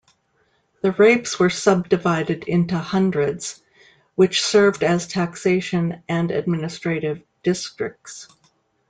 The rapes were sub-divided into hundreds, which served as taxation and administrative districts.